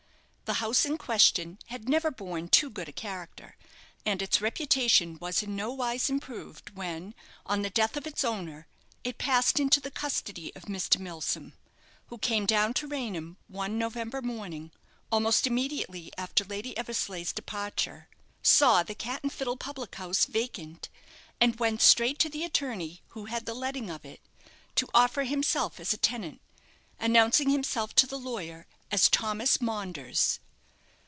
The house in question had never borne too good a character; and its reputation was in nowise improved when, on the death of its owner, it passed into the custody of Mr. Milsom, who came down to Raynham one November morning, almost immediately after Lady Eversleigh's departure, saw the "Cat and Fiddle" public house vacant, and went straight to the attorney who had the letting of it, to offer himself as a tenant, announcing himself to the lawyer as Thomas Maunders.